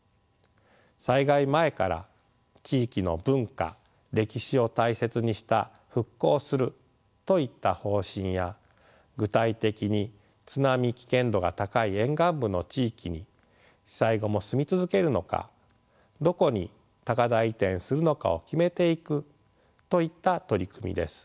災害前から地域の文化歴史を大切にした復興をするといった方針や具体的に津波危険度が高い沿岸部の地域に被災後も住み続けるのかどこに高台移転するのかを決めていくといった取り組みです。